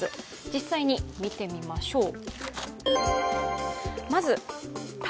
実際に見てみましょう。